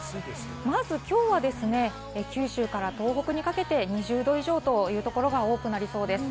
まず今日は九州から東北にかけて２０度以上というところが多くなりそうです。